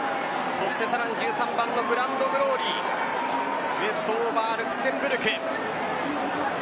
そしてさらに１３番のグランドグローリーウエストオーバールクセンブルク。